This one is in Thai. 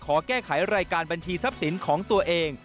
ขอแก้ไขรายการบัญชีทรัพย์สินของตัวเอง